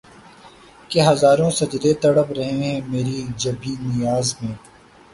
کہ ہزاروں سجدے تڑپ رہے ہیں مری جبین نیاز میں